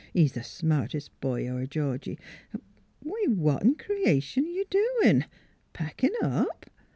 He's th' smartest boy our Georgie. ... Why, what 'n creation you doin' packin' up?